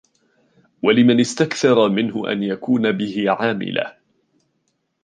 وَلِمَنْ اسْتَكْثَرَ مِنْهُ أَنْ يَكُونَ بِهِ عَامِلًا